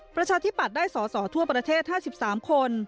ประชาธิปัตย์ได้สอสอทั่วประเทศ๕๓คน